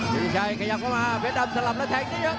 ฤทธิชัยขยับเข้ามาเพชรดำสลับแล้วแทงเยอะ